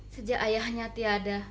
sejak ayahnya tiada